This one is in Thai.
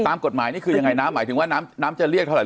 ตามกฎหมายนี่คือยังไงน้ำหมายถึงว่าน้ำน้ำจะเรียกเท่าไห